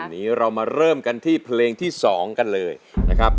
วันนี้เรามาเริ่มกันที่เพลงที่๒กันเลยนะครับ